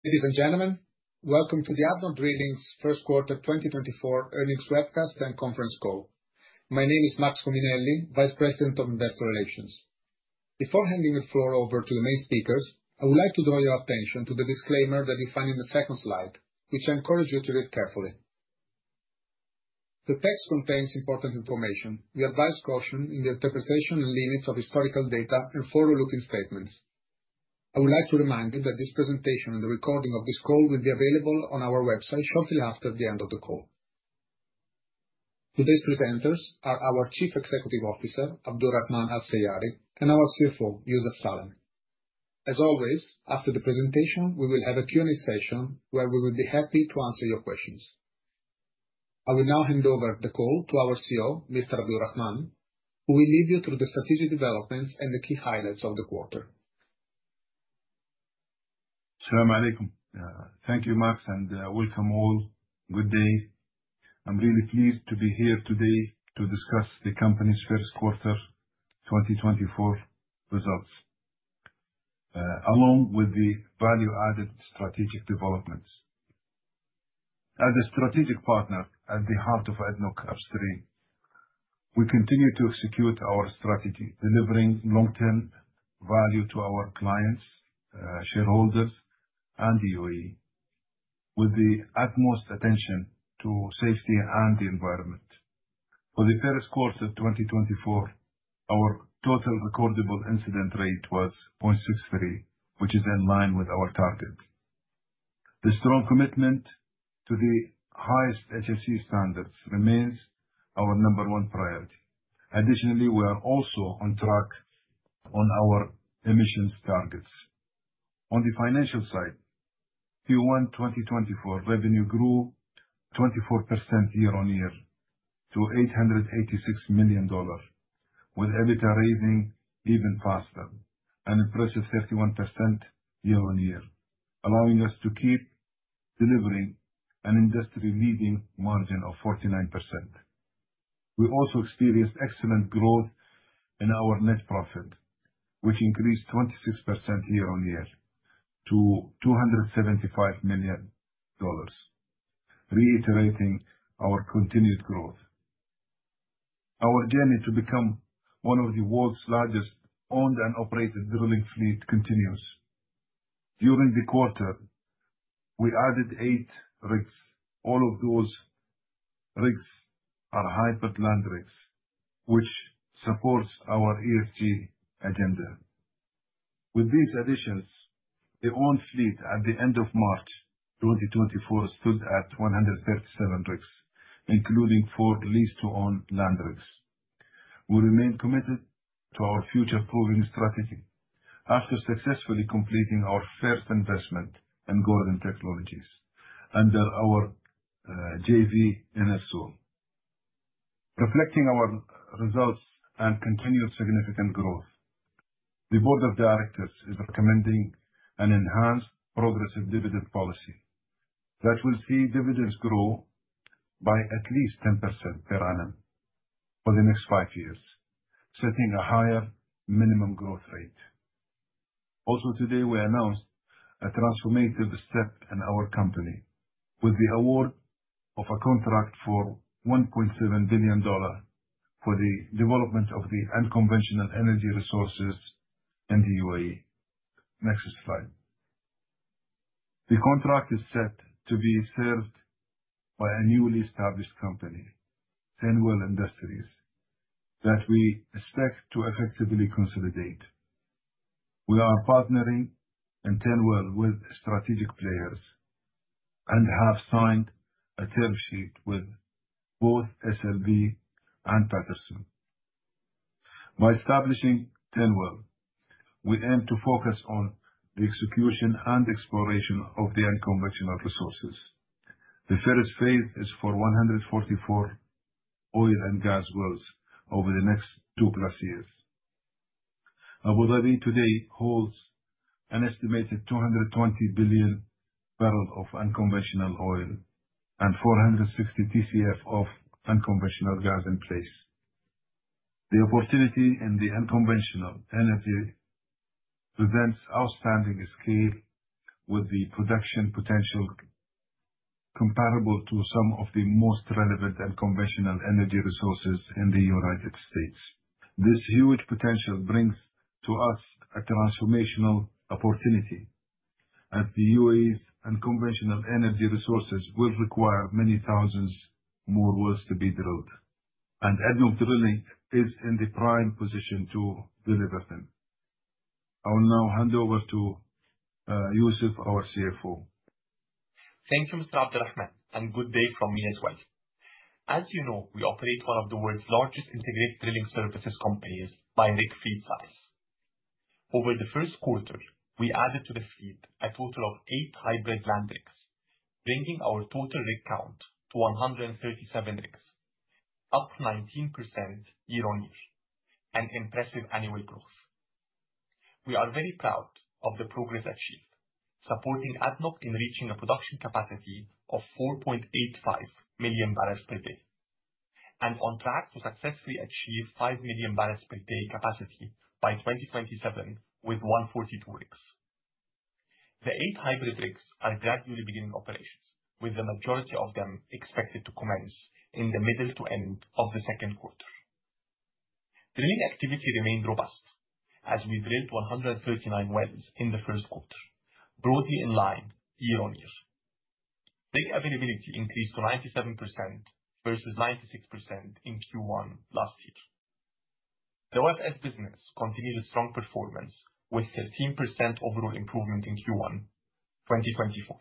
Ladies and gentlemen, welcome to the ADNOC Drilling's first quarter 2024 earnings webcast and conference call. My name is Max Cominelli, Vice President of Investor Relations. Before handing the floor over to the main speakers, I would like to draw your attention to the disclaimer that you find in the second slide, which I encourage you to read carefully. The text contains important information. We advise caution in the interpretation and limits of historical data and forward-looking statements. I would like to remind you that this presentation and the recording of this call will be available on our website shortly after the end of the call. Today's presenters are our Chief Executive Officer, Abdulrahman Abdulla Al Seiari, and our CFO, Youssef Salem. As always, after the presentation, we will have a Q&A session, where we will be happy to answer your questions. I will now hand over the call to our CEO, Mr. Abdulrahman, who will lead you through the strategic developments and the key highlights of the quarter. Salaam Alaikum. Thank you, Max, and welcome all. Good day. I'm really pleased to be here today to discuss the company's first quarter 2024 results, along with the value-added strategic developments. As a strategic partner at the heart of ADNOC Offshore, we continue to execute our strategy, delivering long-term value to our clients, shareholders, and the UAE, with the utmost attention to safety and the environment. For the first quarter of 2024, our total recordable incident rate was 0.63, which is in line with our target. The strong commitment to the highest HSE standards remains our number one priority. Additionally, we are also on track on our emissions targets. On the financial side, Q1 2024 revenue grew 24% year-on-year, to $886 million, with EBITDA rising even faster, an impressive 51% year-on-year, allowing us to keep delivering an industry-leading margin of 49%. We also experienced excellent growth in our net profit, which increased 26% year-on-year to $275 million, reiterating our continued growth. Our journey to become one of the world's largest owned and operated drilling fleet continues. During the quarter, we added 8 rigs. All of those rigs are hybrid land rigs, which supports our ESG agenda. With these additions, the owned fleet at the end of March 2024 stood at 137 rigs, including four leased to own land rigs. We remain committed to our future growing strategy after successfully completing our first investment in Gordon Technologies under our JV in Enersol. Reflecting our results and continued significant growth, the board of directors is recommending an enhanced progressive dividend policy that will see dividends grow by at least 10% per annum for the next five years, setting a higher minimum growth rate. Also today, we announced a transformative step in our company with the award of a contract for $1.7 billion for the development of the unconventional energy resources in the UAE. Next slide. The contract is set to be served by a newly established company, Turnwell Industries, that we expect to effectively consolidate. We are partnering in Turnwell with strategic players and have signed a term sheet with both SLB and Patterson-UTI. By establishing Turnwell, we aim to focus on the execution and exploration of the unconventional resources. The first phase is for 144 oil and gas wells over the next 2+ years. Abu Dhabi today holds an estimated 220 billion barrels of unconventional oil and 460 TCF of unconventional gas in place. The opportunity in the unconventional energy presents outstanding scale, with the production potential comparable to some of the most relevant and conventional energy resources in the United States. This huge potential brings to us a transformational opportunity, as the UAE's unconventional energy resources will require many thousands more wells to be drilled, and ADNOC Drilling is in the prime position to deliver them. I will now hand over to Youssef, our CFO. Thank you, Mr. Abdulrahman, and good day from me as well. As you know, we operate one of the world's largest integrated drilling services companies by rig fleet size. Over the first quarter, we added to the fleet a total of eight hybrid land rigs, bringing our total rig count to 137 rigs, up 19% year-on-year, an impressive annual growth. We are very proud of the progress achieved, supporting ADNOC in reaching a production capacity of 4.85 MMbpd and on track to successfully achieve 5 MMbpd capacity by 2027, with 142 rigs. The eight hybrid rigs are gradually beginning operations, with the majority of them expected to commence in the middle to end of the second quarter. Drilling activity remained robust as we drilled 139 wells in the first quarter, broadly in line year-on-year. Rig availability increased to 97% versus 96% in Q1 last year. The OFS business continued a strong performance, with 13% overall improvement in Q1 2024.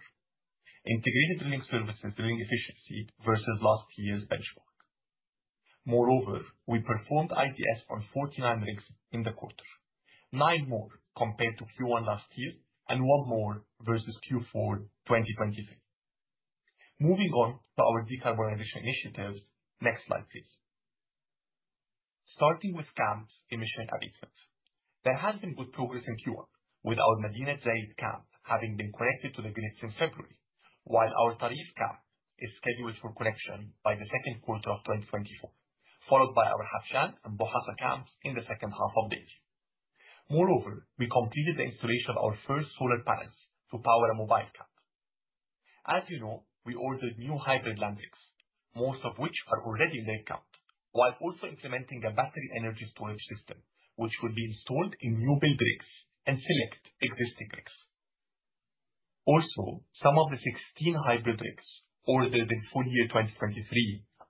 Integrated drilling services, drilling efficiency versus last year's benchmark. Moreover, we performed IDS on 49 rigs in the quarter, nine more compared to Q1 last year, and one more versus Q4 2023. Moving on to our decarbonization initiatives. Next slide, please. Starting with camps emission reductions. There has been good progress in Q1, with our Madinat Zayed camp having been connected to the grid since February, while our Tarif camp is scheduled for connection by the second quarter of 2024, followed by our Habshan and Bu Hasa camps in the second half of the year. Moreover, we completed the installation of our first solar panels to power a mobile camp. As you know, we ordered new hybrid land rigs, most of which are already laid up, while also implementing a battery energy storage system, which will be installed in new build rigs and select existing rigs. Also, some of the 16 hybrid rigs ordered in full year 2023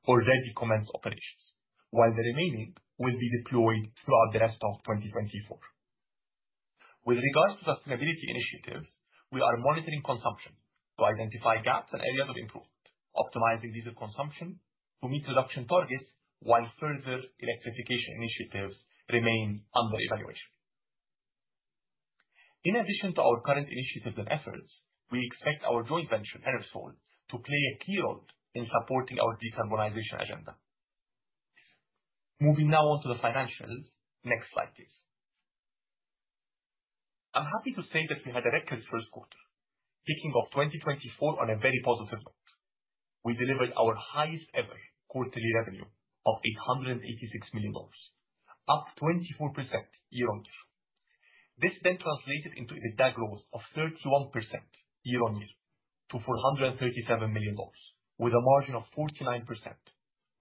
already commenced operations, while the remaining will be deployed throughout the rest of 2024. With regards to sustainability initiatives, we are monitoring consumption to identify gaps and areas of improvement, optimizing diesel consumption to meet reduction targets while further electrification initiatives remain under evaluation. In addition to our current initiatives and efforts, we expect our joint venture, Enersol, to play a key role in supporting our decarbonization agenda. Moving now on to the financials. Next slide, please. I'm happy to say that we had a record first quarter, kicking off 2024 on a very positive note. We delivered our highest ever quarterly revenue of $886 million, up 24% year-over-year. This then translated into an EBITDA growth of 31% year-over-year to $437 million, with a margin of 49%,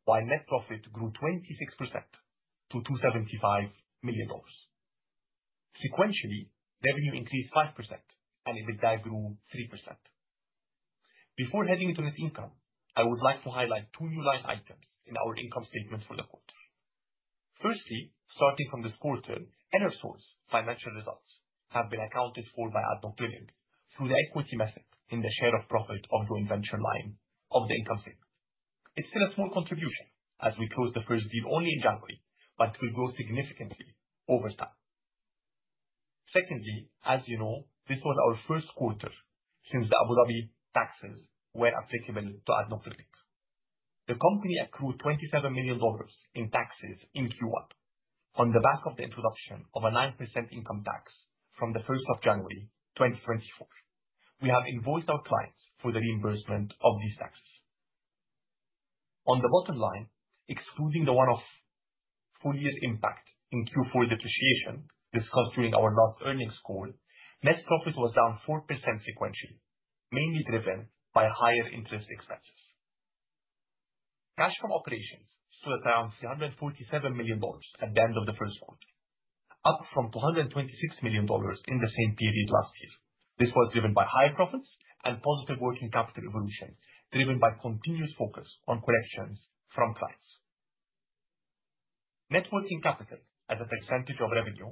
while net profit grew 26% to $275 million. Sequentially, revenue increased 5% and EBITDA grew 3%. Before heading into net income, I would like to highlight two new line items in our income statement for the quarter. Firstly, starting from this quarter, Enersol financial results have been accounted for by ADNOC Drilling through the equity method in the share of profit of joint venture line of the income statement. It's still a small contribution, as we closed the first deal only in January, but will grow significantly over time. Secondly, as you know, this was our first quarter since the Abu Dhabi taxes were applicable to ADNOC Drilling. The company accrued $27 million in taxes in Q1 on the back of the introduction of a 9% income tax from January 1, 2024. We have invoiced our clients for the reimbursement of these taxes. On the bottom line, excluding the one-off full year's impact in Q4 depreciation discussed during our last earnings call, net profit was down 4% sequentially, mainly driven by higher interest expenses. Cash from operations stood around $347 million at the end of the first quarter, up from $226 million in the same period last year. This was driven by higher profits and positive working capital evolution, driven by continuous focus on collections from clients. Net working capital as a percentage of revenue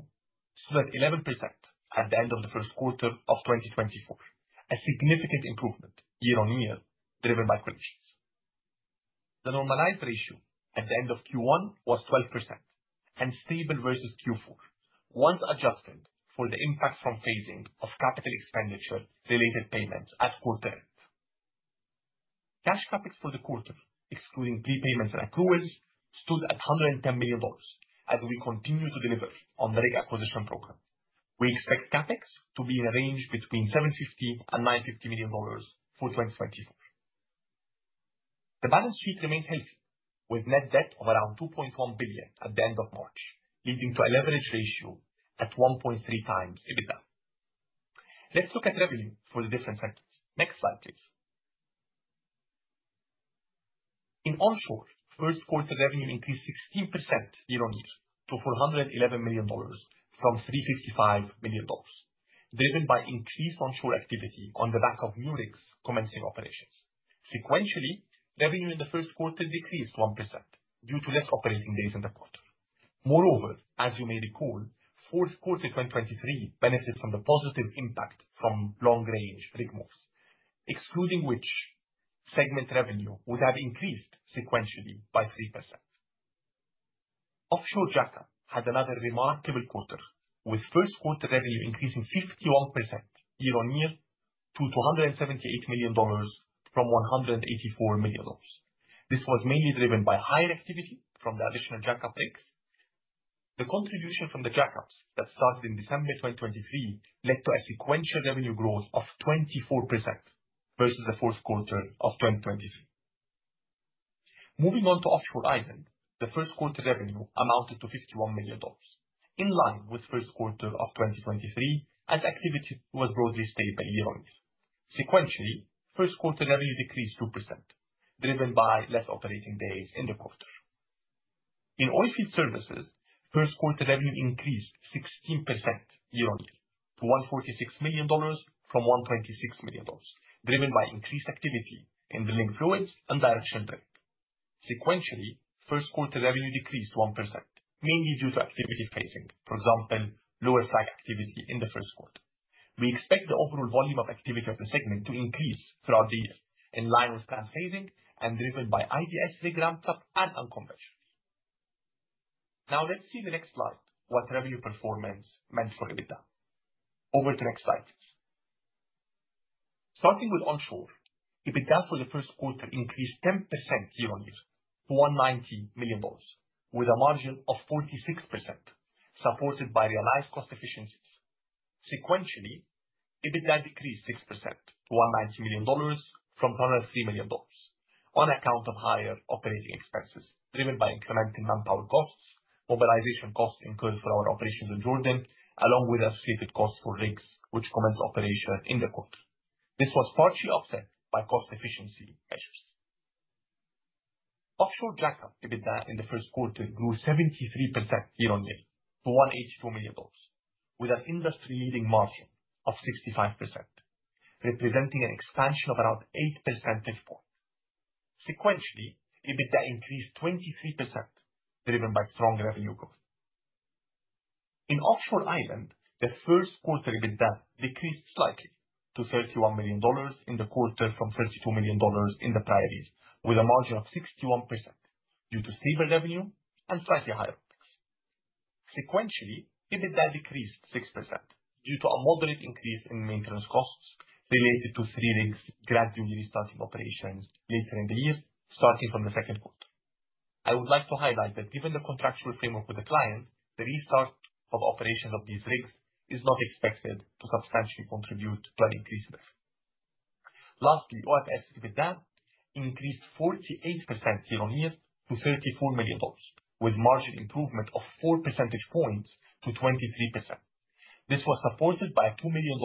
stood at 11% at the end of the first quarter of 2024, a significant improvement year-over-year, driven by collections. The normalized ratio at the end of Q1 was 12% and stable versus Q4, once adjusted for the impact from phasing of capital expenditure related payments at quarter end. Cash CapEx for the quarter, excluding prepayments and accruals, stood at $110 million as we continue to deliver on the rig acquisition program. We expect CapEx to be in a range between $750 million and $950 million for 2024. The balance sheet remains healthy, with net debt of around $2.1 billion at the end of March, leading to a leverage ratio at 1.3x EBITDA. Let's look at revenue for the different sectors. Next slide, please. In onshore, first quarter revenue increased 16% year-on-year to $411 million from $355 million, driven by increased onshore activity on the back of new rigs commencing operations. Sequentially, revenue in the first quarter decreased 1% due to less operating days in the quarter. Moreover, as you may recall, fourth quarter 2023 benefited from the positive impact from long-range rig moves, excluding which, segment revenue would have increased sequentially by 3%. Offshore jackup had another remarkable quarter, with first quarter revenue increasing 51% year-on-year to $278 million from $184 million. This was mainly driven by higher activity from the additional jackup rigs. The contribution from the jackups that started in December 2023 led to a sequential revenue growth of 24% versus the fourth quarter of 2023. Moving on to offshore island, the first quarter revenue amounted to $51 million, in line with first quarter of 2023, as activity was broadly stable year-on-year. Sequentially, first quarter revenue decreased 2%, driven by less operating days in the quarter. In oilfield services, first quarter revenue increased 16% year-on-year to $146 million from $126 million, driven by increased activity in drilling fluids and directional drilling. Sequentially, first quarter revenue decreased 1%, mainly due to activity phasing, for example, lower frac activity in the first quarter. We expect the overall volume of activity of the segment to increase throughout the year, in line with plan phasing and driven by IDS rig ramps up and unconventional. Now let's see the next slide, what revenue performance meant for EBITDA. Over to the next slide. Starting with onshore, EBITDA for the first quarter increased 10% year-on-year to $190 million, with a margin of 46%, supported by realized cost efficiencies. Sequentially, EBITDA decreased 6% to $190 million from $103 million on account of higher operating expenses, driven by incremental manpower costs, mobilization costs incurred for our operations in Jordan, along with associated costs for rigs which commenced operation in the quarter. This was partially offset by cost efficiency measures. Offshore jackup EBITDA in the first quarter grew 73% year-on-year to $182 million, with an industry-leading margin of 65%, representing an expansion of around eight percentage points. Sequentially, EBITDA increased 23%, driven by strong revenue growth. In offshore island, the first quarter EBITDA decreased slightly to $31 million in the quarter from $32 million in the prior year, with a margin of 61% due to stable revenue and slightly higher OpEx. Sequentially, EBITDA decreased 6% due to a moderate increase in maintenance costs related to three rigs gradually restarting operations later in the year, starting from the second quarter. I would like to highlight that given the contractual framework with the client, the restart of operations of these rigs is not expected to substantially contribute to an increase in this. Lastly, OFS EBITDA increased 48% year-on-year to $34 million, with margin improvement of four percentage points to 23%. This was supported by a $2 million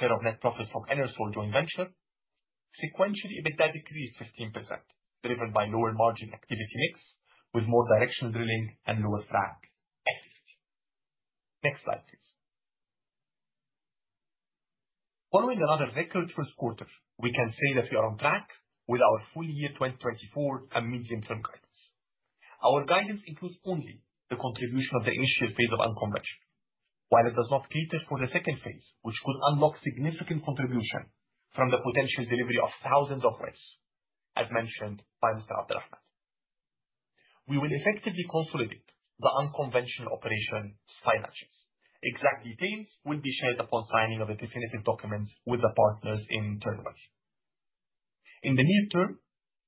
share of net profits from Enersol joint venture. Sequentially, EBITDA decreased 15%, driven by lower margin activity mix, with more directional drilling and lower frac activity. Next slide, please. Following another record first quarter, we can say that we are on track with our full year 2024 and medium-term guidance. Our guidance includes only the contribution of the initial phase of unconventional, while it does not cater for the second phase, which could unlock significant contribution from the potential delivery of thousands of rigs, as mentioned by Mr. Abdulrahman. We will effectively consolidate the unconventional operation finances. Exact details will be shared upon signing of the definitive documents with the partners in Turnwell. In the near term,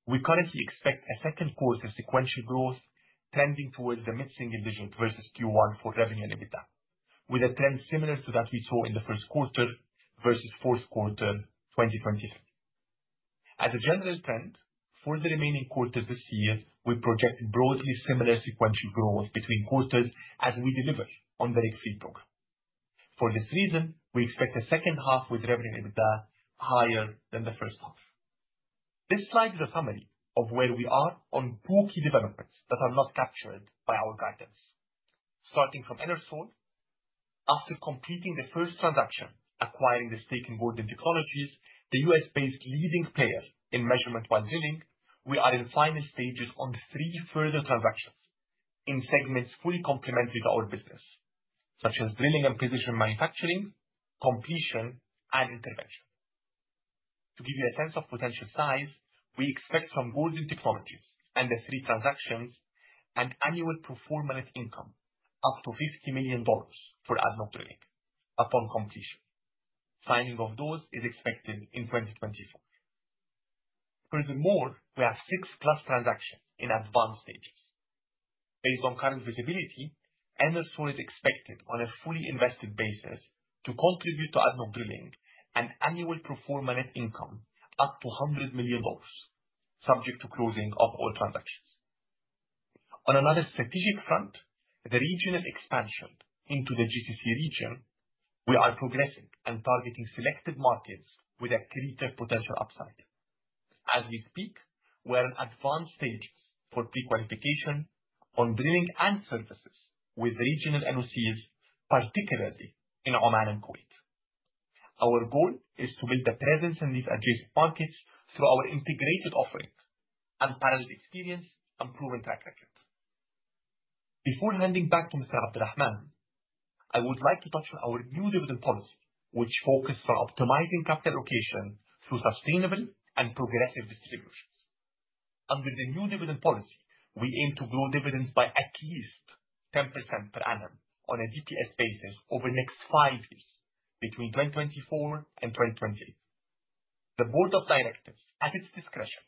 we currently expect a second quarter sequential growth trending towards the mid-single digits versus Q1 for revenue and EBITDA, with a trend similar to that we saw in the first quarter versus fourth quarter 2023. As a general trend, for the remaining quarters this year, we project broadly similar sequential growth between quarters as we deliver on the rig fleet program. For this reason, we expect the second half with revenue and EBITDA higher than the first half. This slide is a summary of where we are on two key developments that are not captured by our guidance. Starting from Enersol, after completing the first transaction, acquiring the stake in Gordon Technologies, the U.S.-based leading player in measurement while drilling, we are in the final stages on three further transactions in segments fully complementary to our business, such as drilling and precision manufacturing, completion, and intervention. To give you a sense of potential size, we expect from Gordon Technologies and the three transactions, an annual pro forma net income up to $50 million for ADNOC Drilling upon completion. Signing of those is expected in 2024. Furthermore, we have six plus transactions in advanced stages. Based on current visibility, Enersol is expected, on a fully invested basis, to contribute to ADNOC Drilling an annual pro forma net income up to $100 million, subject to closing of all transactions. On another strategic front, the regional expansion into the GCC region, we are progressing and targeting selected markets with a greater potential upside. As we speak, we are in advanced stages for pre-qualification on drilling and services with regional NOCs, particularly in Oman and Kuwait. Our goal is to build a presence in these adjacent markets through our integrated offerings, unparalleled experience, and proven track record. Before handing back to Mr. Abdulrahman, I would like to touch on our new dividend policy, which focuses on optimizing capital allocation through sustainable and progressive distributions. Under the new dividend policy, we aim to grow dividends by at least 10% per annum on a DPS basis over the next five years, between 2024 and 2028. The board of directors, at its discretion,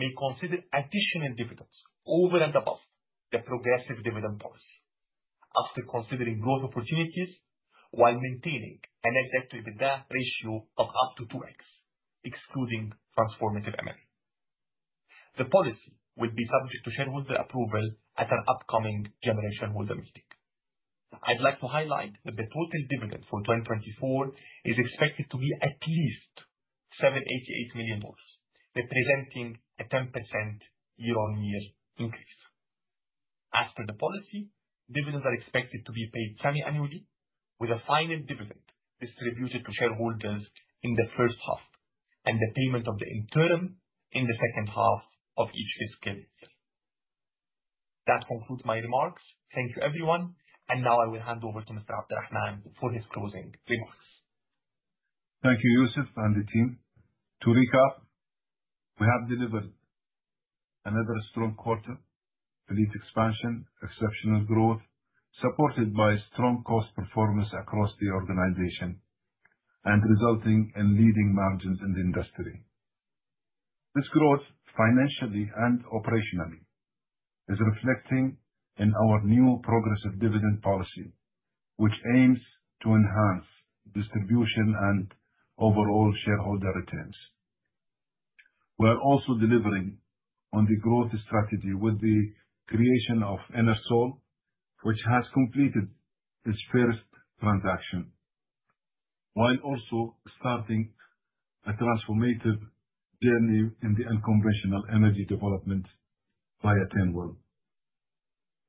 may consider additional dividends over and above the progressive dividend policy, after considering growth opportunities, while maintaining a net debt-to-EBITDA ratio of up to 2x, excluding transformative M&A. The policy will be subject to shareholder approval at an upcoming general shareholder meeting. I'd like to highlight that the total dividend for 2024 is expected to be at least $788 million, representing a 10% year-on-year increase. As per the policy, dividends are expected to be paid semi-annually, with a final dividend distributed to shareholders in the first half, and the payment of the interim in the second half of each fiscal year. That concludes my remarks. Thank you, everyone. And now I will hand over to Mr. Abdulrahman for his closing remarks. Thank you, Youssef and the team. To recap, we have delivered another strong quarter. Fleet expansion, exceptional growth, supported by strong cost performance across the organization, and resulting in leading margins in the industry. This growth, financially and operationally, is reflecting in our new progressive dividend policy, which aims to enhance distribution and overall shareholder returns. We are also delivering on the growth strategy with the creation of Enersol, which has completed its first transaction, while also starting a transformative journey in the unconventional energy development via Turnwell.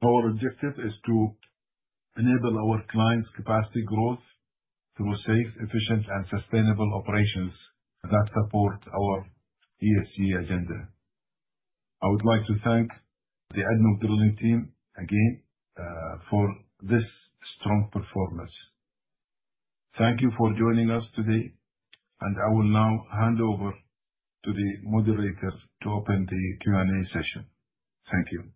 Our objective is to enable our clients capacity growth through safe, efficient, and sustainable operations that support our ESG agenda. I would like to thank the ADNOC Drilling team again, for this strong performance. Thank you for joining us today, and I will now hand over to the moderator to open the Q&A session. Thank you. Thank you.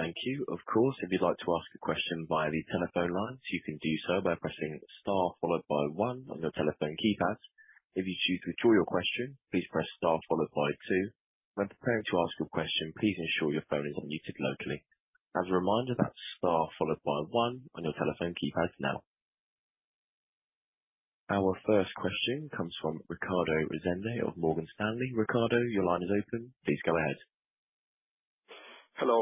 Of course, if you'd like to ask a question via the telephone lines, you can do so by pressing star followed by one on your telephone keypad. If you choose to withdraw your question, please press star followed by two. When preparing to ask a question, please ensure your phone is unmuted locally. As a reminder, that's star followed by one on your telephone keypad now. Our first question comes from Ricardo Rezende of Morgan Stanley. Ricardo, your line is open. Please go ahead. Hello,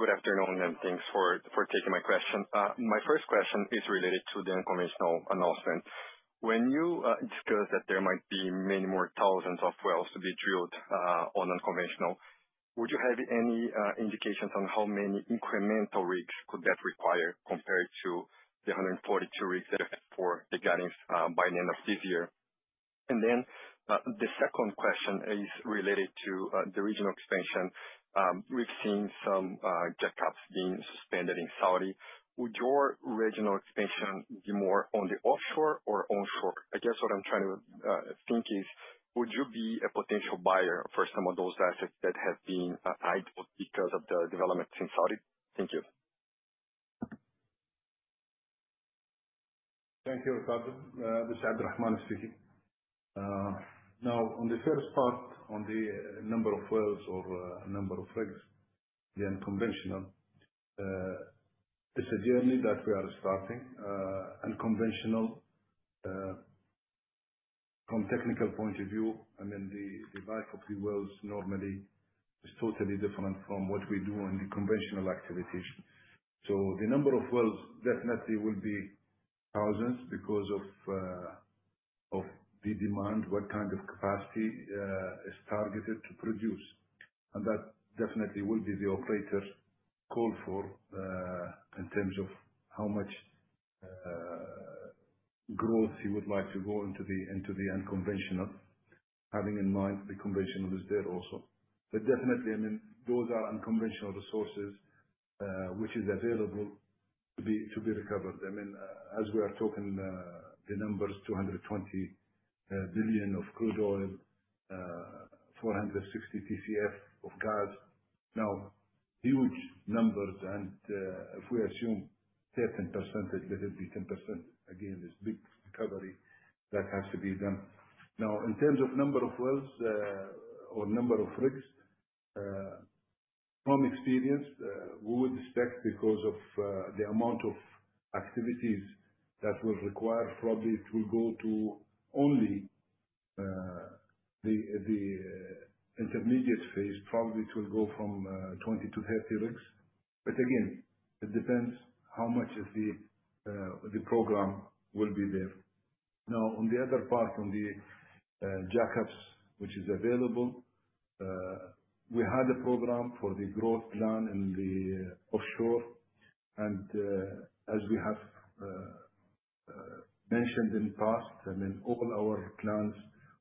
good afternoon, and thanks for taking my question. My first question is related to the unconventional announcement. When you discussed that there might be many more thousands of wells to be drilled on unconventional, would you have any indications on how many incremental rigs could that require compared to the 142 rigs that are for the guidance by the end of this year? And then the second question is related to the regional expansion. We've seen some jackups being suspended in Saudi. Would your regional expansion be more on the offshore or onshore? I guess what I'm trying to think is, would you be a potential buyer for some of those assets that have been idle because of the developments in Saudi? Thank you. Thank you, Ricardo. This is Abdulrahman speaking. Now, on the first part, on the number of wells or number of rigs, the unconventional, it's a journey that we are starting. Unconventional, from technical point of view, and then the life of the wells normally is totally different from what we do on the conventional activities. So the number of wells definitely will be thousands because of the demand, what kind of capacity is targeted to produce. And that definitely will be the operator's call for in terms of how much growth he would like to go into the unconventional, having in mind the conventional is there also. But definitely, I mean, those are unconventional resources which is available to be recovered. I mean, as we are talking, the numbers, 220 billion of crude oil, 460 TCF of gas. Now, huge numbers, and, if we assume certain percentage, maybe 10%, again, it's big recovery that has to be done. Now, in terms of number of wells, or number of rigs, from experience, we would expect because of, the amount of activities that will require probably to go to only the intermediate phase, probably it will go from 20 rigs-30 rigs. But again, it depends how much of the program will be there. Now, on the other part, on the jackups, which is available, we had a program for the growth plan in the offshore. As we have mentioned in the past, I mean, all our plans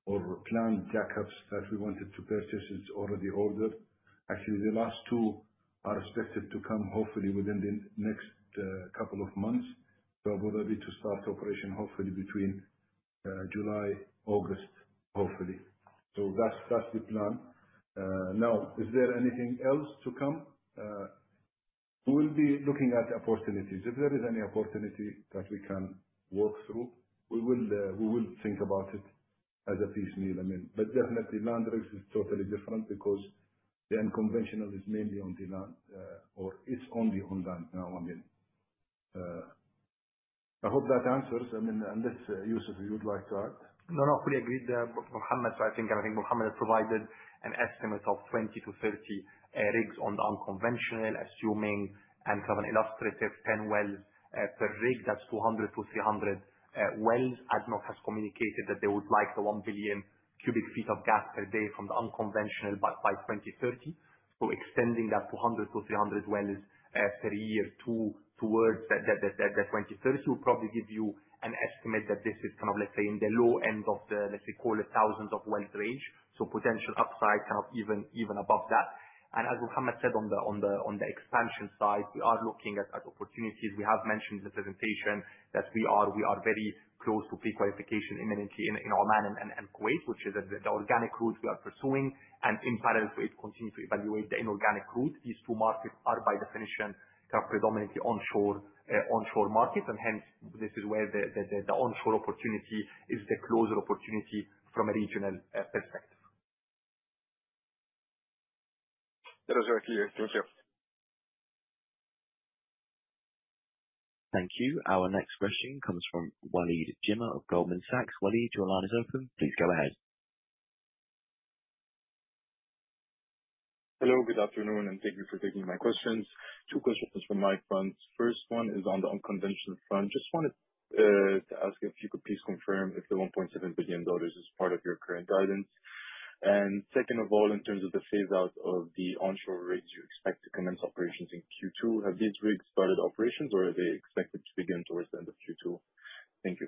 or planned jackups that we wanted to purchase is already ordered. Actually, the last two are expected to come hopefully within the next couple of months. So we're ready to start operation hopefully between July, August, hopefully. So that's the plan. Now, is there anything else to come? We will be looking at opportunities. If there is any opportunity that we can work through, we will think about it as a piecemeal, I mean. But definitely, land rigs is totally different because the unconventional is mainly on demand, or it's only on land, now, I mean. I hope that answers, I mean, unless, Youssef, you would like to add? No, no, fully agreed, Mohammed. I think Mohammed has provided an estimate of 20 rigs-30 rigs on the unconventional, assuming and kind of an illustrative 10 wells per rig, that's 200 wells-300 wells. ADNOC has communicated that they would like the 1 billion cubic feet of gas per day from the unconventional by 2030. So extending that 200 wells per year-300 wells per year towards the 2030, will probably give you an estimate that this is kind of, let's say, in the low end of the, let's say, call it thousands of wells range. So potential upside, kind of, even above that. And as Mohammed said, on the expansion side, we are looking at opportunities. We have mentioned in the presentation that we are very close to pre-qualification imminently in Oman and Kuwait, which is the organic route we are pursuing, and in parallel, we continue to evaluate the inorganic route. These two markets are, by definition, predominantly onshore markets, and hence, this is where the onshore opportunity is the closer opportunity from a regional perspective. That is very clear. Thank you. Thank you. Our next question comes from Waleed Mohsin of Goldman Sachs. Waleed, your line is open. Please go ahead. Hello, good afternoon, and thank you for taking my questions. Two questions from my front. First one is on the unconventional front. Just wanted to ask if you could please confirm if the $1.7 billion is part of your current guidance? And second of all, in terms of the phase out of the onshore rigs you expect to commence operations in Q2, have these rigs started operations or are they expected to begin towards the end of Q2? Thank you.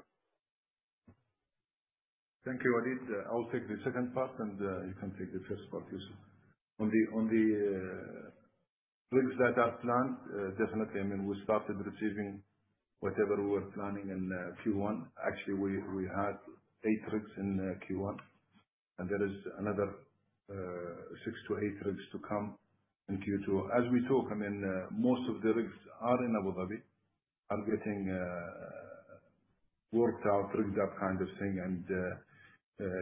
Thank you, Waleed. I'll take the second part, and you can take the first part, Youssef. On the rigs that are planned, definitely, I mean, we started receiving whatever we were planning in Q1. Actually, we had eight rigs in Q1, and there is another six to eight rigs to come in Q2. As we talk, I mean, most of the rigs are in Abu Dhabi, are getting worked out, rigged up, kind of thing, and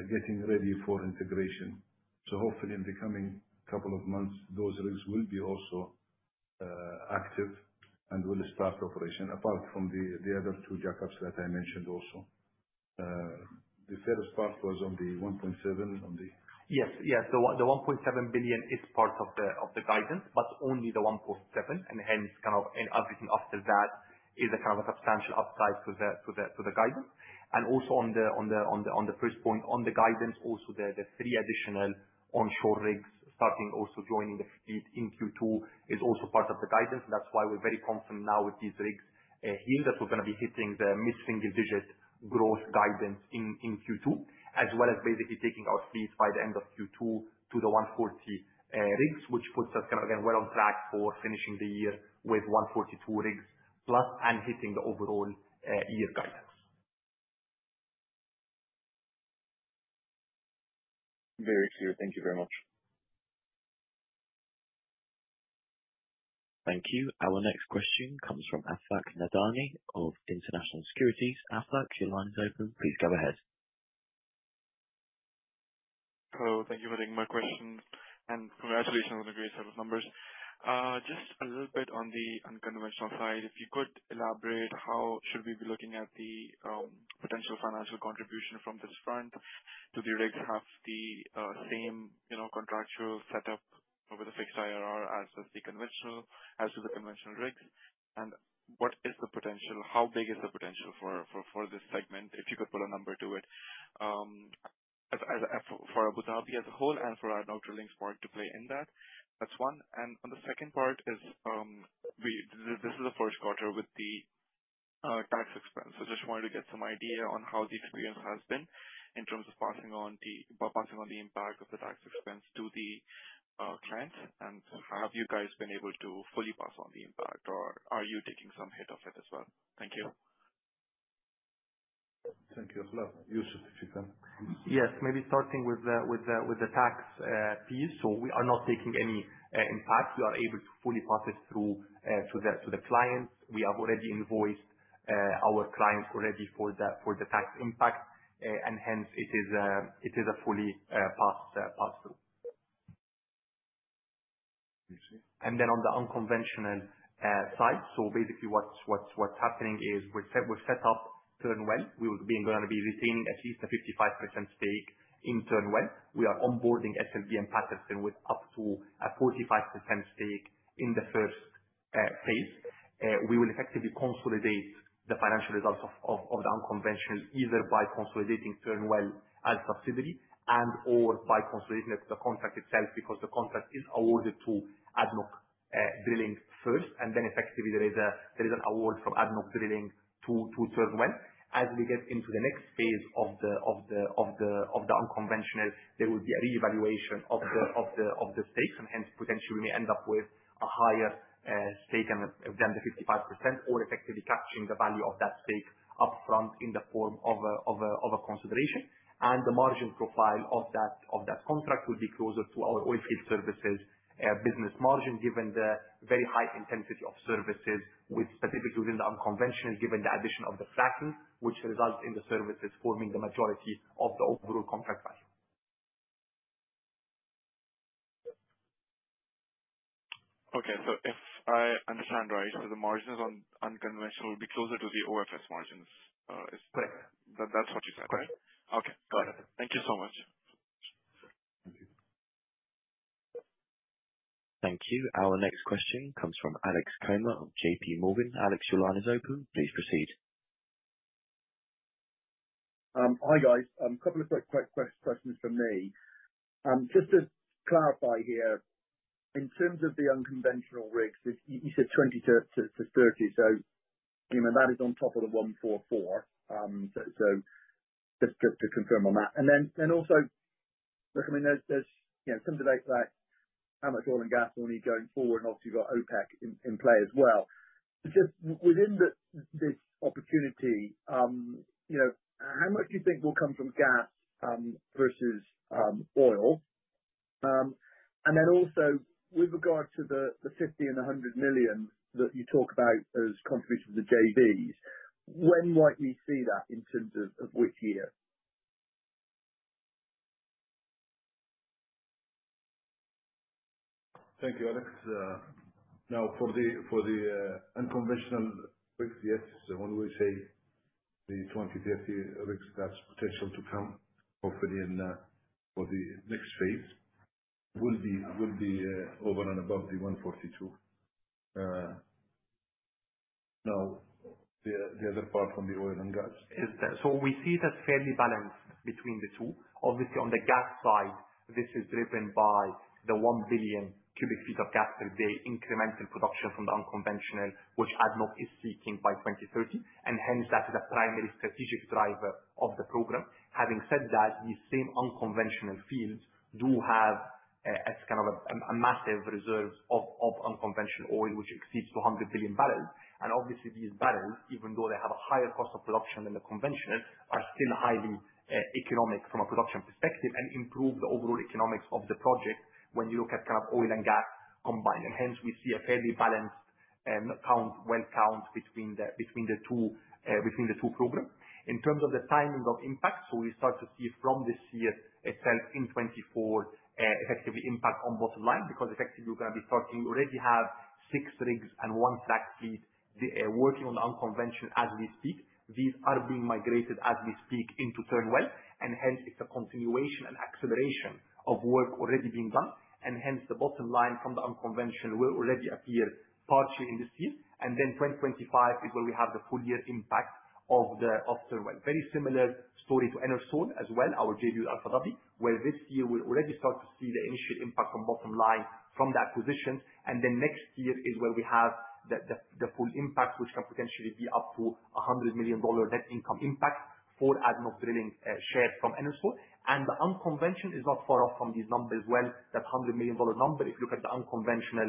getting ready for integration. So hopefully in the coming couple of months, those rigs will be also active and will start operation, apart from the other two jack-ups that I mentioned also. The third part was on the $1.7, on the- Yes, yes. The $1.7 billion is part of the guidance, but only the $1.7 billion, and hence, kind of, and everything after that is a kind of a substantial upside to the guidance. And also on the first point, on the guidance, also the three additional onshore rigs starting also joining the fleet in Q2 is also part of the guidance. That's why we're very confident now with these rigs here that we're gonna be hitting the mid-single digit growth guidance in Q2, as well as basically taking our fleet by the end of Q2 to the 140 rigs. Which puts us kind of, again, well on track for finishing the year with 142 rigs plus, and hitting the overall year guidance. Very clear. Thank you very much. Thank you. Our next question comes from Afaq Nathani of International Securities. Afaq, your line is open. Please go ahead. Hello, thank you for taking my question, and congratulations on the great set of numbers. Just a little bit on the unconventional side, if you could elaborate, how should we be looking at the potential financial contribution from this front? Do the rigs have the same, you know, contractual setup over the fixed IRR as the conventional, as with the conventional rigs? And what is the potential - how big is the potential for this segment, if you could put a number to it? As for Abu Dhabi as a whole and for ADNOC Drilling's part to play in that. That's one. And on the second part is, this is the first quarter with the tax expense. Just wanted to get some idea on how the experience has been in terms of passing on the impact of the tax expense to the clients. And have you guys been able to fully pass on the impact, or are you taking some hit of it as well? Thank you. Thank you, Afaq. Youssef, if you can- Yes, maybe starting with the tax piece. So we are not taking any impact. We are able to fully pass it through to the clients. We have already invoiced our clients already for the tax impact, and hence it is a fully passed pass through. Please, yeah. Then on the unconventional side, so basically what's happening is we've set up Turnwell. We will be going to be retaining at least a 50% stake in Turnwell. We are onboarding SLB and Patterson with up to a 45% stake in the first phase. We will effectively consolidate the financial results of the unconventional, either by consolidating Turnwell as subsidiary and/or by consolidating the contract itself, because the contract is awarded to ADNOC Drilling first, and then effectively there is an award from ADNOC Drilling to Turnwell. As we get into the next phase of the unconventional, there will be a reevaluation of the stakes, and hence potentially we may end up with a higher stake than the 55%, or effectively capturing the value of that stake up front in the form of a consideration. The margin profile of that contract will be closer to our oil field services business margin, given the very high intensity of services, with specifically within the unconventional, given the addition of the fracking, which results in the services forming the majority of the overall contract value. Okay, so if I understand right, so the margins on unconventional will be closer to the OFS margins, is- Correct. That's what you said, right? Correct. Okay, got it. Thank you so much. Thank you. Our next question comes from Alex Comer of JPMorgan. Alex, your line is open. Please proceed. Hi, guys. Couple of quick questions from me. Just to clarify here, in terms of the unconventional rigs, which you said 20 rigs-30 rigs, so you know, that is on top of the 144, so just to confirm on that. And then also, look, I mean, there's you know, some debate about how much oil and gas will need going forward, and obviously you've got OPEC in play as well. Just within this opportunity, you know, how much do you think will come from gas versus oil? And then also, with regard to the $50 million and $100 million that you talk about as contribution to the JVs, when might we see that in terms of which year? Thank you, Alex. Now, for the unconventional rigs, yes, so when we say the 20 rigs-30 rigs, that's potential to come, hopefully in, for the next phase, will be over and above the 142. Now, the other part from the oil and gas. So we see it as fairly balanced between the two. Obviously, on the gas side, this is driven by the 1 billion cubic feet of gas per day incremental production from the unconventional, which ADNOC is seeking by 2030, and hence that is a primary strategic driver of the program. Having said that, these same unconventional fields do have, it's kind of a massive reserves of unconventional oil, which exceeds 200 billion barrels. And obviously, these barrels, even though they have a higher cost of production than the conventional, are still highly economic from a production perspective, and improve the overall economics of the project when you look at kind of oil and gas combined. And hence, we see a fairly balanced count, well count between the two, between the two programs. In terms of the timing of impact, so we start to see from this year itself, in 2024, effectively impact on bottom line, because effectively we're gonna be starting, we already have six rigs and one stack fleet, working on the unconventional as we speak. These are being migrated as we speak into Turnwell, and hence it's a continuation and acceleration of work already being done. Hence, the bottom line from the unconventional will already appear partially in this year, and then 2025 is when we have the full year impact of the optimal. Very similar story to Enersol as well, our JV with Abu Dhabi, where this year we already start to see the initial impact on bottom line from that position, and then next year is when we have the full impact, which can potentially be up to $100 million net income impact for ADNOC Drilling, shared from Enersol. The unconventional is not far off from these numbers as well, that $100 million number. If you look at the unconventional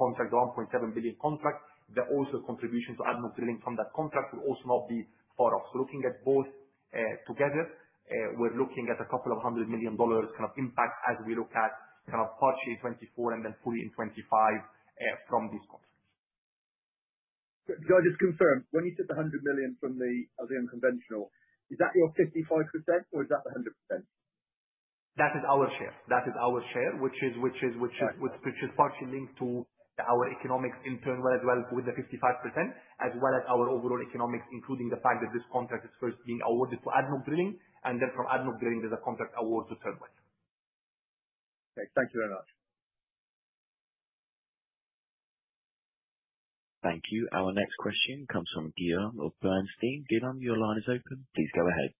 contract, the $1.7 billion contract, the also contribution to ADNOC Drilling from that contract will also not be far off. So looking at both together, we're looking at a couple of hundred million dollars kind of impact as we look at kind of partially 2024 and then fully in 2025, from this contract. Can I just confirm, when you said the $100 million from the, the unconventional, is that your 55%, or is that the 100%? That is our share. That is our share, which is- Got it. Which is partially linked to our economics in Turnwell, as well, with the 55%, as well as our overall economics, including the fact that this contract is first being awarded to ADNOC Drilling, and then from ADNOC Drilling, there's a contract award to Turnwell. Okay. Thank you very much. Thank you. Our next question comes from Guillaume of Bernstein. Guillaume, your line is open. Please go ahead.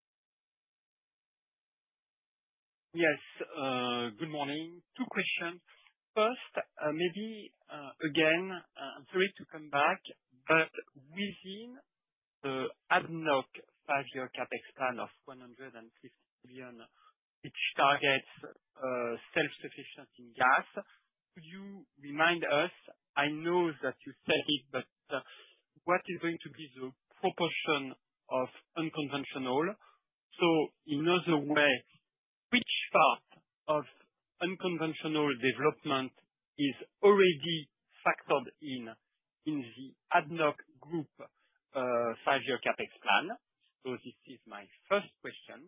Yes, good morning. Two questions. First, maybe, again, I'm sorry to come back, but within the ADNOC five-year CapEx plan of $150 billion, which targets self-sufficient in gas, could you remind us, I know that you said it, but what is going to be the proportion of unconventional? So in other way, which part of unconventional development is already factored in, in the ADNOC group five-year CapEx plan? So this is my first question.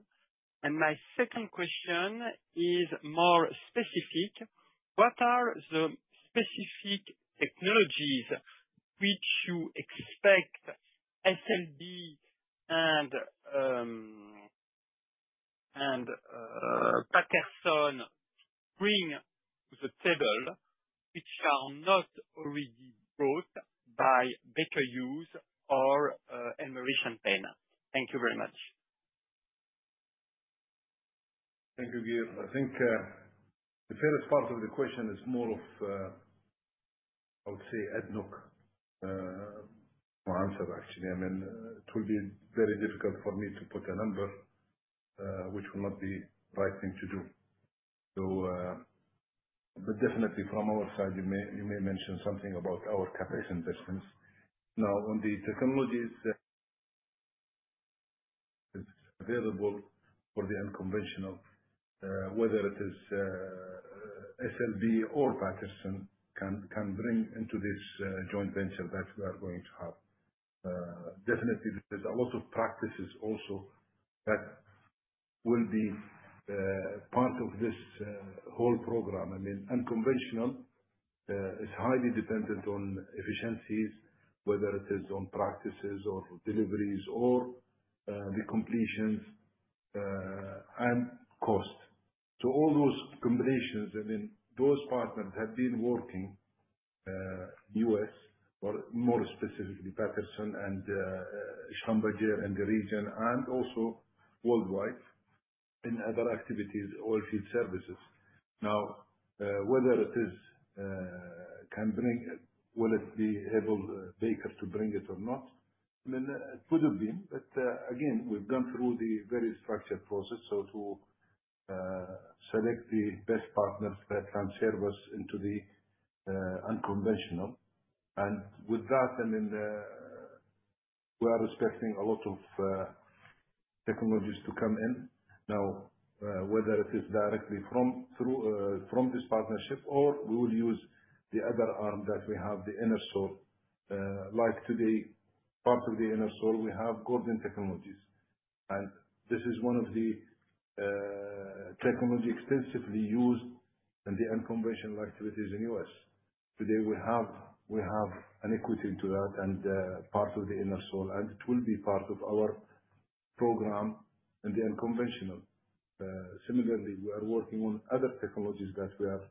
And my second question is more specific. What are the specific technologies which you expect SLB and Patterson bring to the table, which are not already brought by Baker Hughes or Helmerich & Payne? Thank you very much. Thank you, Guillaume. I think, the first part of the question is more of, I would say ADNOC, in answer, actually. I mean, it will be very difficult for me to put a number, which will not be right thing to do. So, but definitely from our side, you may, you may mention something about our CapEx investments. Now, on the technologies that is available for the unconventional, whether it is, SLB or Patterson can, can bring into this, joint venture that we are going to have. Definitely there's a lot of practices also that will be, part of this, whole program. I mean, unconventional, is highly dependent on efficiencies, whether it is on practices or deliveries or, the completions, and cost. So all those combinations, I mean, those partners have been working U.S., or more specifically Patterson and Schlumberger in the region, and also worldwide in other activities, oilfield services. Now, whether it is can bring it, will it be able Baker to bring it or not? I mean, it could have been, but again, we've gone through the very structured process, so to select the best partners that can serve us into the unconventional. And with that, I mean, we are expecting a lot of technologies to come in. Now, whether it is directly from through from this partnership, or we will use the other arm that we have, the Enersol. Like today, part of the Enersol, we have Gordon Technologies, and this is one of the technology extensively used in the unconventional activities in the U.S. Today, we have an equity into that, and part of the Enersol, and it will be part of our program in the unconventional. Similarly, we are working on other technologies that we are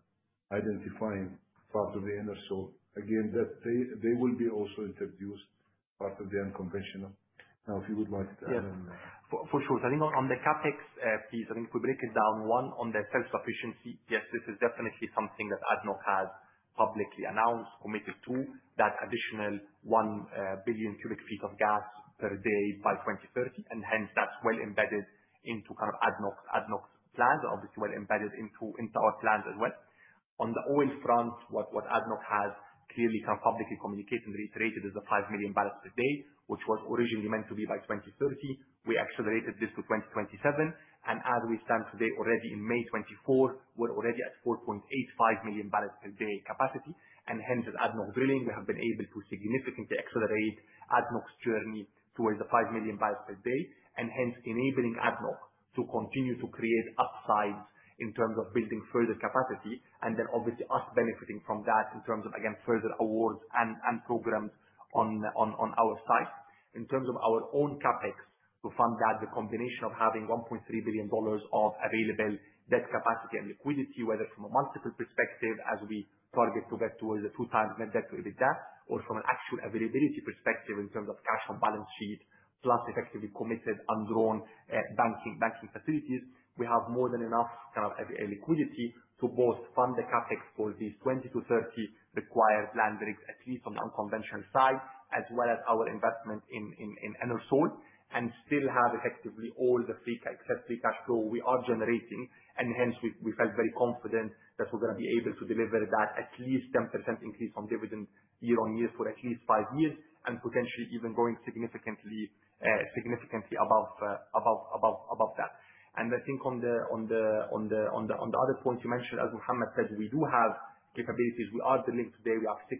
identifying part of the Enersol. Again, they will be also introduced part of the unconventional. Now, if you would like to add in- Yes. For sure. I think on the CapEx piece, I think if we break it down, one, on the self-sufficiency, yes, this is definitely something that ADNOC has publicly announced, committed to, that additional 1 billion cubic feet of gas per day by 2030, and hence that's well embedded into kind of ADNOC, ADNOC's plans, obviously well embedded into our plans as well. On the oil front, what ADNOC has clearly kind of publicly communicated and reiterated, is the 5 MMbpd, which was originally meant to be by 2030. We accelerated this to 2027, and as we stand today, already in May 2024, we're already at 4.85 MMbpd capacity. Hence, with ADNOC Drilling, we have been able to significantly accelerate ADNOC's journey towards the 5 MMbpd, and hence enabling ADNOC to continue to create upsides in terms of building further capacity. Then obviously us benefiting from that in terms of, again, further awards and programs on our side. In terms of our own CapEx, to fund that, the combination of having $1.3 billion of available debt capacity and liquidity, whether it's from a multiple perspective, as we target to get towards a 2x net debt to EBITDA. Or from an actual availability perspective in terms of cash on balance sheet, plus effectively committed undrawn banking facilities. We have more than enough kind of, liquidity to both fund the CapEx for these 20-30 required land rigs, at least on the unconventional side, as well as our investment in, in, in Enersol, and still have effectively all the free cash, free cash flow we are generating. And hence, we felt very confident that we're gonna be able to deliver that at least 10% increase on dividend year-on-year for at least five years, and potentially even growing significantly, significantly above, above that. And I think on the other point you mentioned, as Mohammed said, we do have capabilities. We are drilling today. We have six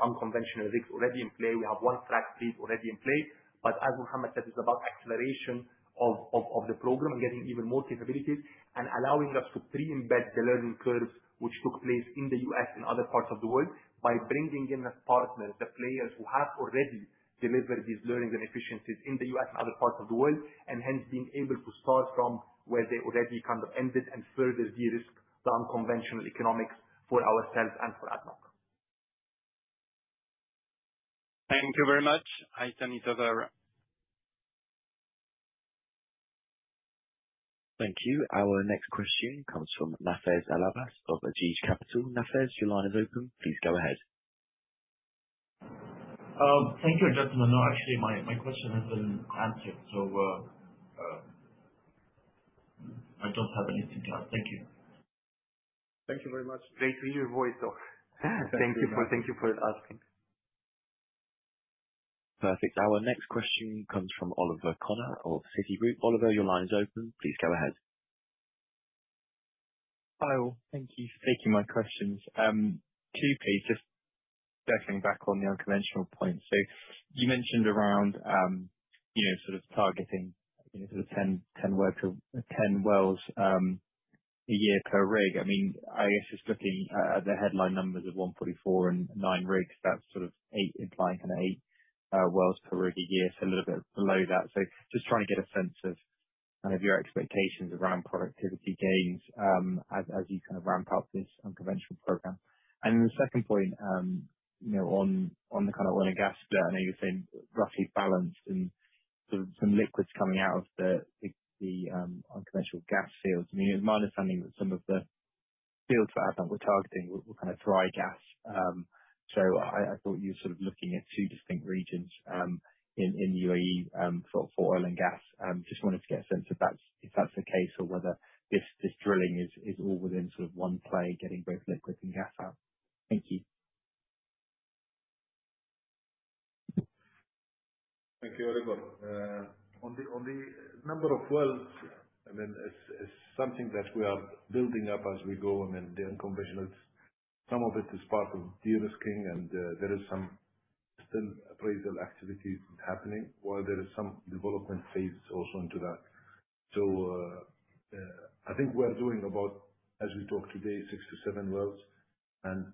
unconventional rigs already in play. We have one fracked rig already in play. As Mohammed said, it's about acceleration of the program, getting even more capabilities, and allowing us to pre-embed the learning curves which took place in the U.S. and other parts of the world, by bringing in as partners, the players who have already delivered these learnings and efficiencies in the U.S. and other parts of the world. Hence being able to start from where they already kind of ended, and further de-risk the unconventional economics for ourselves and for ADNOC. Thank you very much. I turn it over. Thank you. Our next question comes from Nafez Al Abbas of Ajeej Capital. Nafez, your line is open. Please go ahead. Thank you, gentlemen. No, actually, my question has been answered, so I don't have anything to add. Thank you. Thank you very much. Great to hear your voice, though. Thank you for, thank you for asking. Perfect. Our next question comes from Oliver Connor of Citigroup. Oliver, your line is open. Please go ahead. Hello. Thank you for taking my questions. Two pieces, circling back on the unconventional point. So you mentioned around, sort of targeting, sort of 10, 10 wells a year per rig. I mean, I guess just looking at the headline numbers of 144 and nine rigs, that's sort of eight implying kind of eight wells per rig a year, so a little bit below that. So just trying to get a sense of kind of your expectations around productivity gains, as you kind of ramp up this unconventional program. And then the second point, you know, on the kind of oil and gas bit, I know you're saying roughly balanced and sort of some liquids coming out of the unconventional gas fields. I mean, it's my understanding that some of the fields that ADNOC were targeting were kind of dry gas. So I thought you were sort of looking at two distinct regions in UAE for oil and gas. Just wanted to get a sense if that's the case, or whether this drilling is all within sort of one play, getting both liquids and gas out. Thank you. Thank you, Oliver. On the number of wells, I mean, it's something that we are building up as we go, and then the unconventionals, some of it is part of deal-making, and there is still appraisal activity happening, while there is some development phase also into that. So, I think we are doing about, as we talk today, six wells-seven wells, and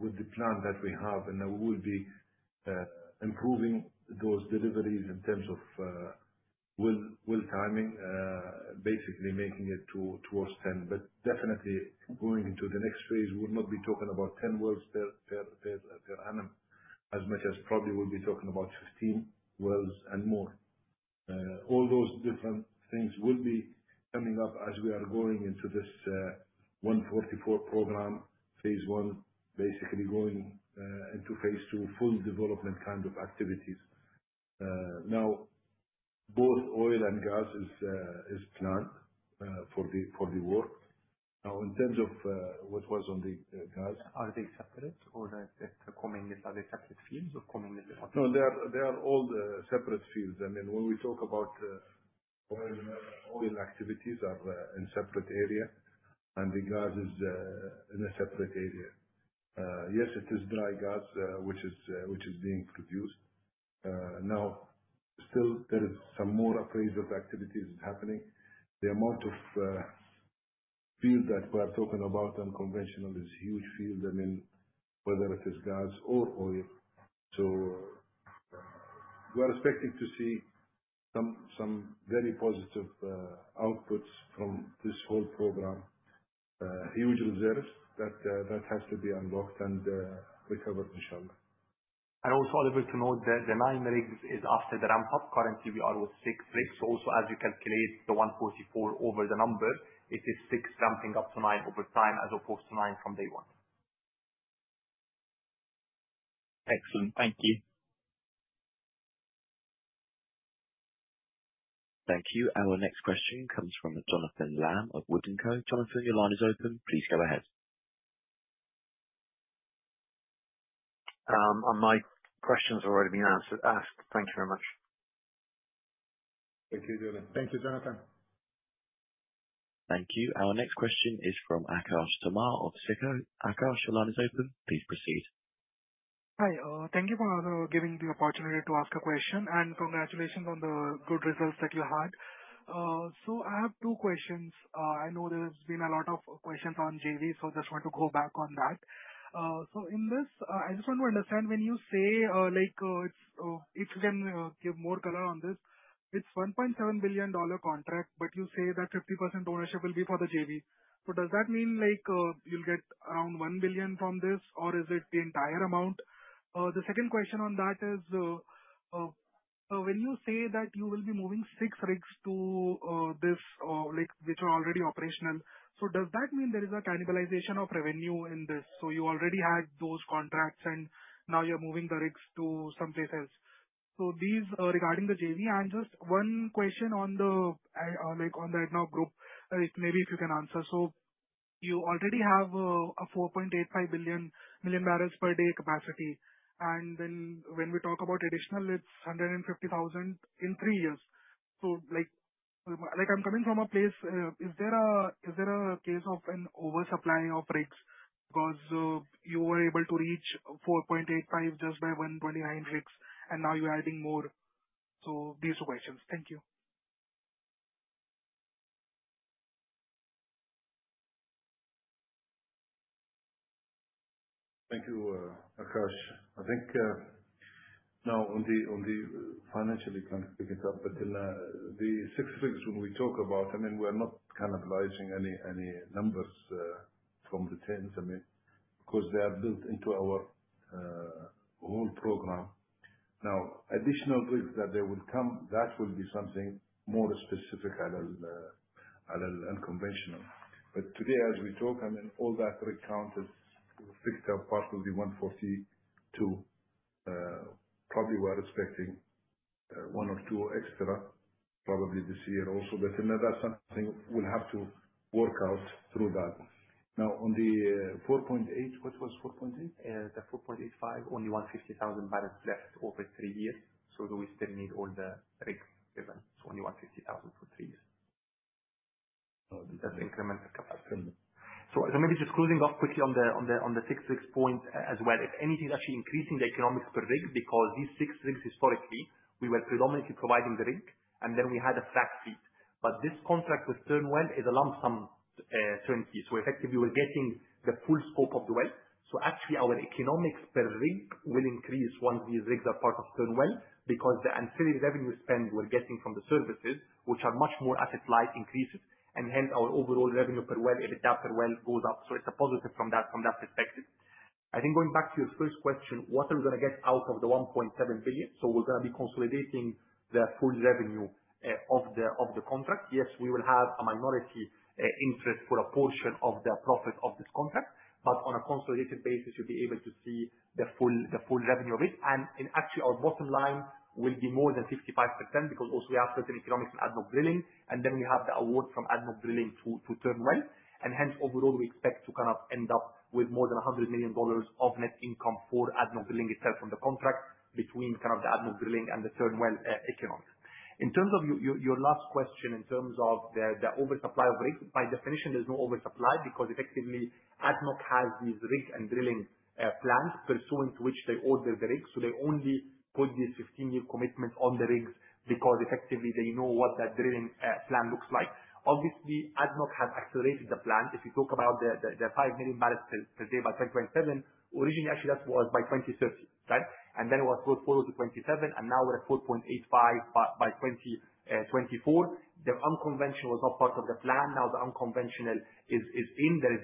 with the plan that we have, and we will be improving those deliveries in terms of well timing, basically making it toward 10. But definitely, going into the next phase, we will not be talking about 10 wells per annum, as much as probably we'll be talking about 15 wells and more. All those different things will be coming up as we are going into this 144 program, phase one, basically going into phase two, full development kind of activities. Now both oil and gas is planned for the work. Now, in terms of what was on the gas- Are they separate, or they're coming as-- Are they separate fields or coming as one? No, they are, they are all separate fields. I mean, when we talk about oil, oil activities are in separate area, and the gas is in a separate area. Yes, it is dry gas, which is, which is being produced. Now, still there is some more appraisal activities happening. The amount of field that we are talking about unconventional is huge field, I mean, whether it is gas or oil. So, we are expecting to see some, some very positive outputs from this whole program. Huge reserves that, that has to be unlocked and, recovered, inshallah. Also, Oliver, to note that the nine rigs is after the ramp up. Currently, we are with six rigs. Also, as you calculate the 144 over the number, it is six ramping up to nine over time, as opposed to nine from day one. Excellent. Thank you. Thank you. Our next question comes from Jonathan Lamb of WOOD & Co. Jonathan, your line is open. Please go ahead. My question's already been asked. Thank you very much. Thank you, Jonathan. Thank you, Jonathan. Thank you. Our next question is from Aakarsh Tomar of SICO. Aakarsh, your line is open. Please proceed. Hi, thank you for giving the opportunity to ask a question, and congratulations on the good results that you had. So I have two questions. I know there's been a lot of questions on JV, so just want to go back on that. So in this, I just want to understand when you say, like, if you can give more color on this, it's $1.7 billion contract, but you say that 50% ownership will be for the JV. So does that mean, like, you'll get around $1 billion from this, or is it the entire amount? The second question on that is, so when you say that you will be moving 6 rigs to this, like, which are already operational, so does that mean there is a cannibalization of revenue in this? So you already had those contracts, and now you're moving the rigs to some place else. So these are regarding the JV, and just one question on the, like, on the ADNOC group, maybe if you can answer. So you already have a 4.85 billion MMbpd capacity, and then when we talk about additional, it's 150,000 in three years. So like, like, I'm coming from a place, is there a case of an oversupply of rigs? Because, you were able to reach $4.85 just by 129 rigs, and now you're adding more. So these are the questions. Thank you. Thank you, Akash. I think, now on the, on the financially, kind of, pick it up. But in, the six rigs when we talk about, I mean, we're not cannibalizing any, any numbers, from the rigs. I mean, because they are built into our, whole program. Now, additional rigs that they will come, that will be something more specific at, at an unconventional. But today, as we talk, I mean, all that rig count is fixed up, possibly 142. Probably we're expecting, 1 or 2 extra, probably this year also. But then that's something we'll have to work out through that. Now on the, $4.8. What was $4.8? The 4.85, only 150,000 barrels left over three years, so we still need all the rigs given. It's only 150,000 for three years. That's incremental capacity. So as I'm maybe just closing off quickly on the six rigs point as well. If anything, it's actually increasing the economics per rig, because these six rigs historically, we were predominantly providing the rig, and then we had a flat fee. But this contract with Turnwell is a lump sum turnkey. So effectively we're getting the full scope of the well. So actually, our economics per rig will increase once these rigs are part of Turnwell, because the ancillary revenue spend we're getting from the services, which are much more asset-light, increases, and hence our overall revenue per well, or the EBITDA per well, goes up. So it's a positive from that perspective. I think going back to your first question, what are we going to get out of the $1.7 billion? So we're going to be consolidating the full revenue of the contract. Yes, we will have a minority interest for a portion of the profit of this contract, but on a consolidated basis, you'll be able to see the full revenue of it. And actually, our bottom line will be more than 55%, because also we have certain economics in ADNOC Drilling, and then we have the award from ADNOC Drilling to Turnwell. Hence, overall, we expect to kind of end up with more than $100 million of net income for ADNOC Drilling itself on the contract between kind of the ADNOC Drilling and the Turnwell economics. In terms of your last question, in terms of the oversupply of rigs, by definition, there's no oversupply because effectively, ADNOC has these rig and drilling plans, pursuant to which they order the rigs. So they only put these 15-year commitments on the rigs, because effectively they know what that drilling plan looks like. Obviously, ADNOC has accelerated the plan. If you talk about the 5 MMbpd by 2027, originally, actually, that was by 2030, right? And then it was brought forward to 2027, and now we're at 4.85 by 2024. The unconventional was not part of the plan. Now, the unconventional is in. There is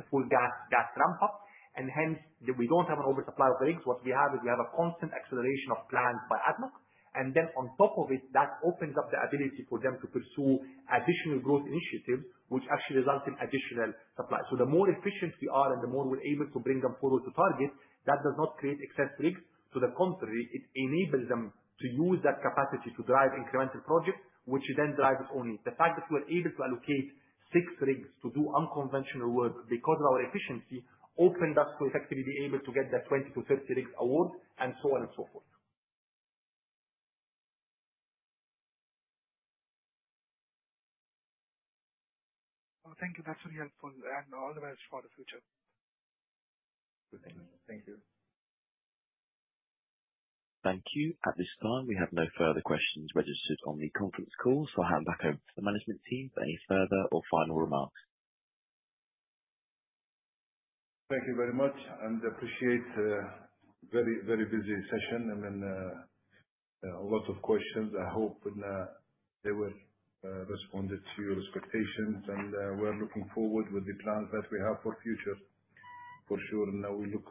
a full gas ramp up, and hence, we don't have an oversupply of rigs. What we have is we have a constant acceleration of plans by ADNOC, and then on top of it, that opens up the ability for them to pursue additional growth initiatives, which actually result in additional supply. So the more efficient we are, and the more we're able to bring them forward to target, that does not create excess rigs. To the contrary, it enables them to use that capacity to drive incremental projects, which then drives only. The fact that we're able to allocate six rigs to do unconventional work because of our efficiency opened us to effectively being able to get that 20 rigs-30 rigs award, and so on and so forth. Oh, thank you. That's really helpful, and all the best for the future. Thank you. Thank you. At this time, we have no further questions registered on the conference call, so I'll hand back over to the management team for any further or final remarks. Thank you very much, and appreciate the very, very busy session, and then, a lot of questions. I hope, they were, responded to your expectations. We're looking forward with the plans that we have for future. For sure, now we look,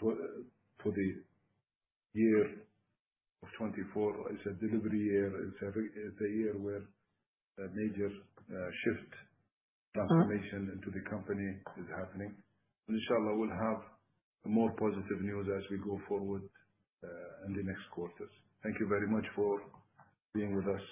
to, to the year of 2024 is a delivery year. It's a year where a major, shift, transformation into the company is happening. Inshallah, we'll have more positive news as we go forward, in the next quarters. Thank you very much for being with us.